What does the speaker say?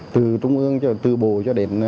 từ trung ương từ bộ cho đến